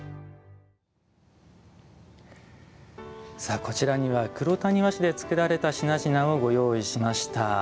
こちらには黒谷和紙で作られた品々をご用意しました。